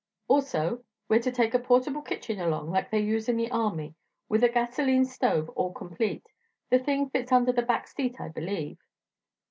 "Also we're to take a portable kitchen along, like they use in the army, with a gasoline stove all complete. The thing fits under the back seat, I believe."